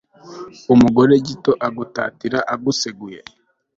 umugore gito agutatira aguseguye